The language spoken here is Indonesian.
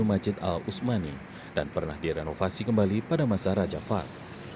abdul majid al uthmani dan pernah direnovasi kembali pada masa raja fad